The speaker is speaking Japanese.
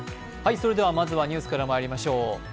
まずはニュースからまいりましょう。